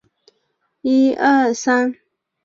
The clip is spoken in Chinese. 该地语源尚不明确。